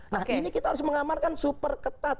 nah ini kita harus mengamarkan super ketat